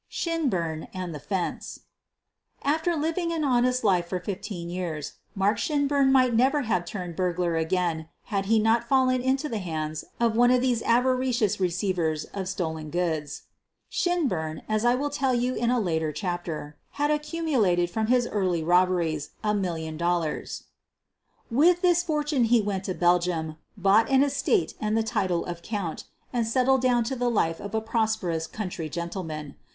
SHINBURN AND THE " FENCE " After living an honest life for fifteen years, Mark Shinburn might never have turned burglar again had he not fallen into the hands of one of these avaricious receivers of stolen goods, Shinburn — as I will tell you in a later chapter had accumulated from his early robberies a million dollars. With this fortune he went to Belgium, bought an estate and the title of count, and settled QUEEN OF THE BUEGLAKS 209 down to the life of a prosperous country gentle man.